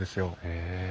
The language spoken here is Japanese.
へえ。